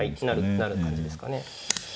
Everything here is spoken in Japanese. なる感じですかね。